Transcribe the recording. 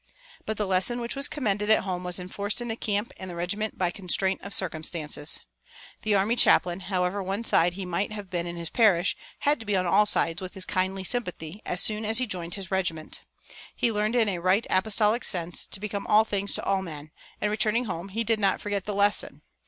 But the lesson which was commended at home was enforced in the camp and the regiment by constraint of circumstances. The army chaplain, however one sided he might have been in his parish, had to be on all sides with his kindly sympathy as soon as he joined his regiment. He learned in a right apostolic sense to become all things to all men, and, returning home, he did not forget the lesson.